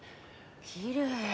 きれい。